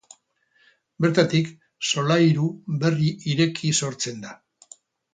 Bertatik solairu berri ireki sortzen da.